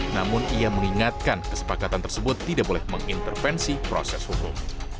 namun ia mengingatkan kesepakatan tersebut tidak boleh mengintervensi proses hukum